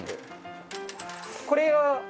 これは？